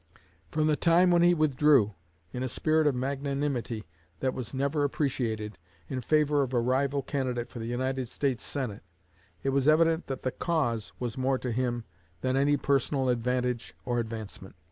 From the time when he withdrew, in a spirit of magnanimity that was never appreciated, in favor of a rival candidate for the United States Senate, it was evident that the cause was more to him than any personal advantage or advancement."